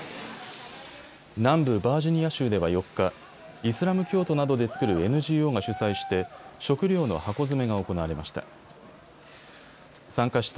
南部バージニア州では４日、イスラム教徒などで作るＮＧＯが主催して食糧の箱詰めが行われました。